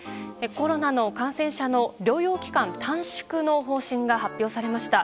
コロナの感染者の療養期間短縮の方針が発表されました。